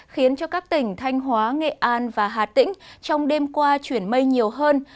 khiến cho các tỉnh thanh hóa nghệ an và hà tĩnh trong đêm qua chuyển mây nhiều hơn